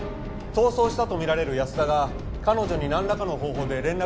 逃走したとみられる安田が彼女になんらかの方法で連絡を取ってくる可能性